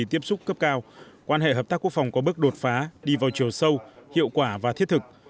tiếp xúc cấp cao quan hệ hợp tác quốc phòng có bước đột phá đi vào chiều sâu hiệu quả và thiết thực